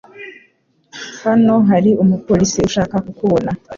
Hano hari umupolisi ushaka kukubona.